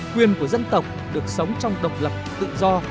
quyền của dân tộc được sống trong độc lập tự do